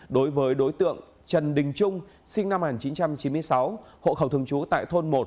đối với đối tượng trần đình trung sinh năm một nghìn chín trăm chín mươi sáu hộ khẩu thường trú tại thôn một